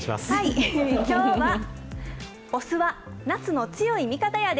きょうは、お酢は夏の強い味方やで。